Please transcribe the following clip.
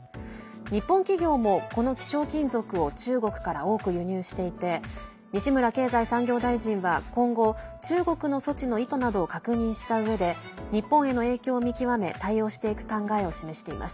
日本企業も、この希少金属を中国から多く輸入していて西村経済産業大臣は今後中国の措置の意図などを確認したうえで日本への影響を見極め対応していく考えを示しています。